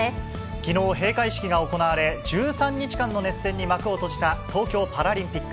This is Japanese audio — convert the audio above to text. きのう、閉会式が行われ、１３日間の熱戦に幕を閉じた東京パラリンピック。